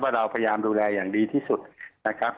เราพยายามดูแลอย่างดีที่สุดนะครับ